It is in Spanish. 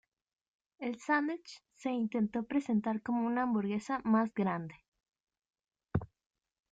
El sándwich se intentó presentar como una hamburguesa más grande.